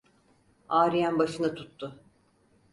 Ağrıyan başını tuttu...